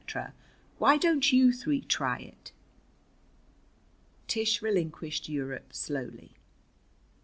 Why don't you three try it?" Tish relinquished Europe slowly.